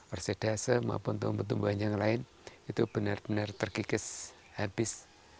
persendase maupun tumbuh tumbuhan yang lain itu benar benar terkikis habis